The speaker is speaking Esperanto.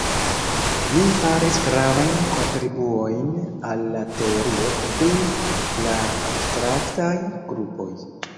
Li faris gravajn kontribuojn al la teorio pri la abstraktaj grupoj.